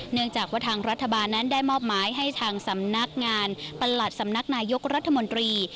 เนื่องจากว่าทางรัฐบาลนั้นได้มอบหมายให้ทางสำนักงานประหลัดสำนักนายกรัฐมนตรี